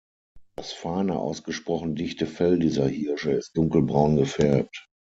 Das feine, ausgesprochen dichte Fell dieser Hirsche ist dunkelbraun gefärbt.